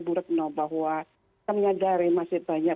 burukno bahwa menyadari masih banyak